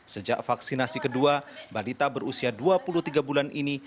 sejak vaksinasi kedua balita berusia dua puluh tiga bulan ini